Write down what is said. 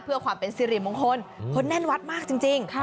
เพื่อความเป็นสิริมงคลคนแน่นวัดมากจริง